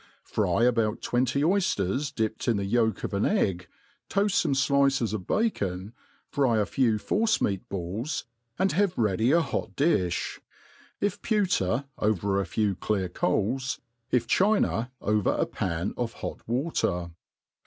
Fry about twenty oyflers dipped in the yolk of an egg, toafl fome dices of bacon, fry a few force meat balls, and have ready a hot difh ; if pewter, over a few elear coals ; if china, over a pan of hot water.